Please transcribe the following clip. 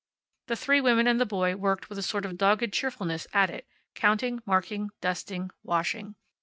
The three women and the boy worked with a sort of dogged cheerfulness at it, counting, marking, dusting, washing.